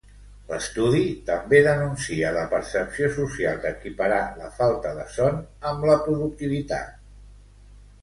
L'estudi també denuncia la percepció social d'equiparar la falta de son amb la productivitat.